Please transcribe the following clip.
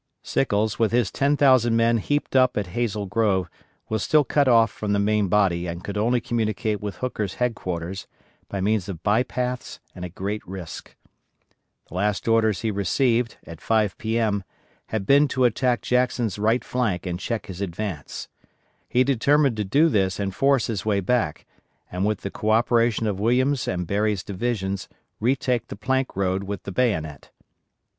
Sickles, with his ten thousand men heaped up at Hazel Grove, was still cut off from the main body and could only communicate with Hooker's headquarters by means of bypaths and at great risk. The last orders he received, at 5 P.M., had been to attack Jackson's right flank and check his advance. He determined to do this and force his way back, and with the co operation of Williams' and Berry's divisions, retake the Plank Road with the bayonet.